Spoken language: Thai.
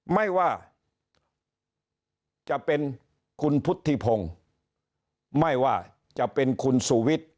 ไม่ว่าจะเป็นคุณพุทธิพงศ์ไม่ว่าจะเป็นคุณสุวิทย์